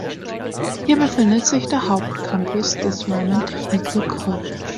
Hier befindet sich der Hauptcampus des Vermont Technical College.